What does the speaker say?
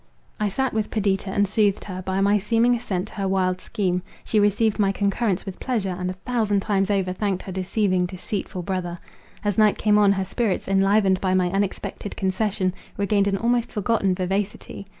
I sat with Perdita and soothed her, by my seeming assent to her wild scheme. She received my concurrence with pleasure, and a thousand times over thanked her deceiving, deceitful brother. As night came on, her spirits, enlivened by my unexpected concession, regained an almost forgotten vivacity.